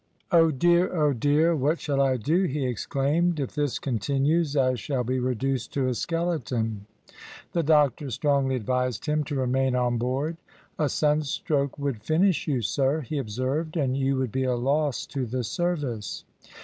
"Oh, dear! oh, dear! what shall I do?" he exclaimed; "if this continues I shall be reduced to a skeleton." The doctor strongly advised him to remain on board. "A sunstroke would finish you, sir," he observed, "and you would be a loss to the service."